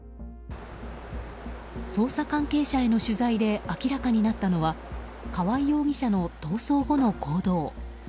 捜査関係者への取材で明らかになったのは川合容疑者の逃走後の行動。